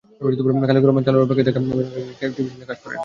খালেকুর রহমান চালুর অপেক্ষায় থাকা বেসরকারি একটি টেলিভিশন চ্যানেলে কাজ করেন।